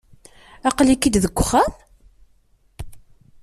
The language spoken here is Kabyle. Aql-ik-id deg uxxam?